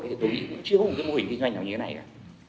thì tôi nghĩ cũng chưa có một cái mô hình kinh doanh nào như thế này cả